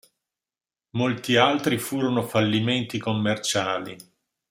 Molti altri furono fallimenti commerciali.